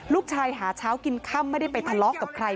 หาเช้ากินค่ำไม่ได้ไปทะเลาะกับใคร